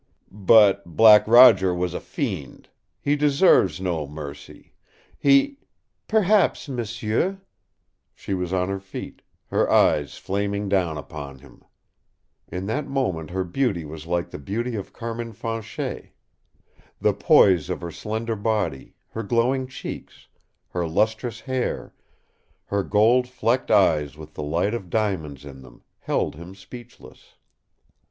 "But Black Roger was a fiend. He deserves no mercy. He " "Perhaps, m'sieu!" She was on her feet, her eyes flaming down upon him. In that moment her beauty was like the beauty of Carmin Fanchet. The poise of her slender body, her glowing cheeks, her lustrous hair, her gold flecked eyes with the light of diamonds in them, held him speechless.